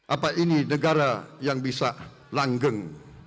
apa ini negara yang bisa langgeng